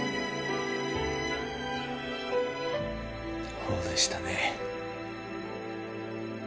ほうでしたね